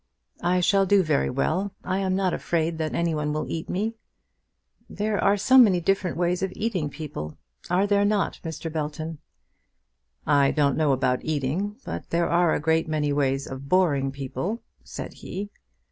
"I shall do very well. I am not afraid that any one will eat me." "There are so many different ways of eating people! Are there not, Mr. Belton?" "I don't know about eating, but there are a great many ways of boring people," said he.